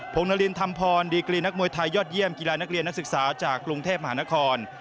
งนารินธรรมพรดีกรีนักมวยไทยยอดเยี่ยมกีฬานักเรียนนักศึกษาจากกรุงเทพมหานคร